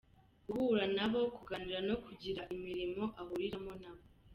Guhura nabo, kuganira no kugira imirimo ahuriramo nabo.